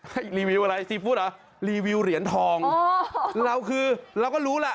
รีวิวอะไรซีฟู้ดเหรอรีวิวเหรียญทองเราคือเราก็รู้แหละ